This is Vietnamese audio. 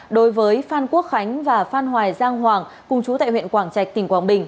đối với phan quốc khánh và phan hoài giang hoàng cùng chú tại huyện quảng trạch tỉnh quảng bình